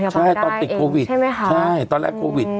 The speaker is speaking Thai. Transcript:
ใช่ตอนติดโควิดใช่ไหมคะใช่ตอนแรกโควิด